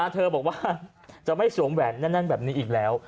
เธอบอกว่าจะไม่สวมแหวนแน่นแบบนี้อีกแล้ว